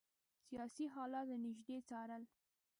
سیاسي حالات له نیژدې څارل.